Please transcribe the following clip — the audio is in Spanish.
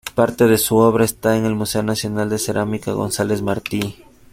Parte de su obra está en el Museo Nacional de Cerámica González Martí.